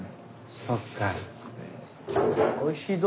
そっか。